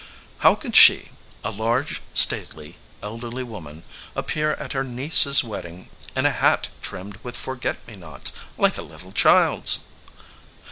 How could she a large, stately, elderly woman, appear at her niece s wedding in a hat trimmed with forget me nots, like a little child s?